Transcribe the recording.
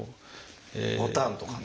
ボタンとかね。